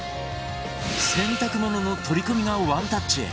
洗濯物の取り込みがワンタッチ！